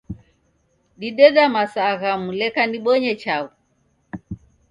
Dideda masaa ghamu leka nibonye chaghu